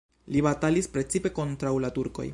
Li batalis precipe kontraŭ la turkoj.